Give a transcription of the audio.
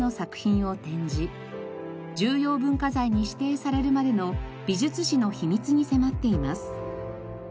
重要文化財に指定されるまでの美術史の秘密に迫っています。